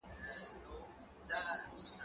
زه اوږده وخت زدکړه کوم!.